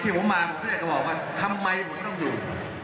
ทำไมผมต้องดู